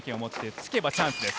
突けばチャンスです。